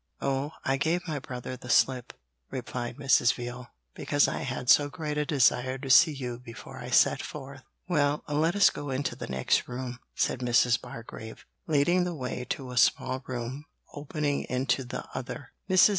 'Oh, I gave my brother the slip,' replied Mrs. Veal, 'because I had so great a desire to see you before I set forth.' 'Well, let us go into the next room,' said Mrs. Bargrave, leading the way to a small room opening into the other. Mrs.